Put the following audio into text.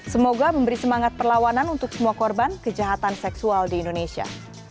semoga memberi semangat perlawanan untuk semua korban kejahatan seksual di indonesia